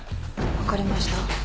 分かりました。